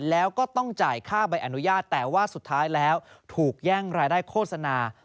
แล้วก็ต้องจ่ายค่าใบอนุญาตแต่ว่าสุดท้ายแล้วถูกแย่งรายได้โฆษณา